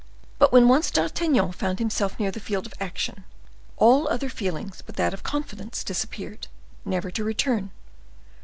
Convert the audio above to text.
But when once D'Artagnan found himself near the field of action, all other feelings but that of confidence disappeared never to return.